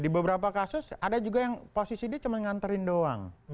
di beberapa kasus ada juga yang posisi dia cuma nganterin doang